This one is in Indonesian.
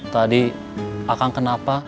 tadi pak kang kenapa